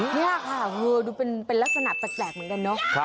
นี่ค่ะมั่วดูเป็นเป็นลักษณะแตกเหมือนกันเนอะ